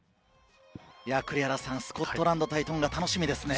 スコットランド対トンガ、楽しみですね。